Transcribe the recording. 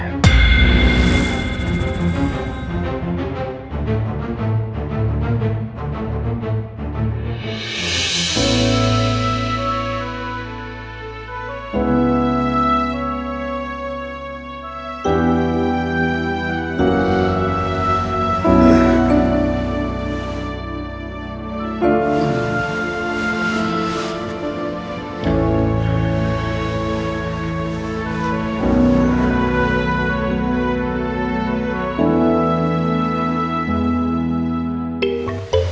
kalau memang betul